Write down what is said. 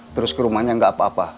terus ke rumahnya nggak apa apa